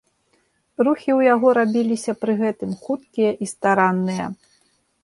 Рухі ў яго рабіліся пры гэтым хуткія і старанныя.